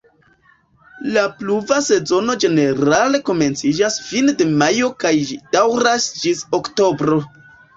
La pluva sezono ĝenerale komenciĝas fine de majo kaj ĝi daŭras ĝis oktobro.